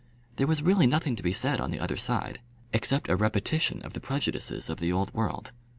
There was really nothing to be said on the other side, except a repetition of the prejudices of the Old World.